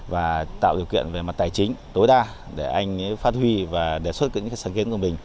và tạo điều kiện về mặt tài chính tối đa để anh phát huy và đề xuất những sáng kiến của mình